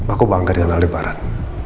aku bangga dengan aldebaran